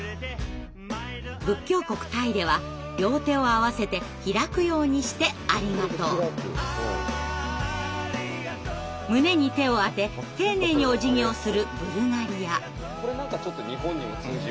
仏教国タイでは両手を合わせて開くようにして「ありがとう」。胸に手をあて丁寧におじぎをするブルガリア。